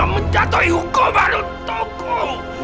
menjatuhi hukum baru untukku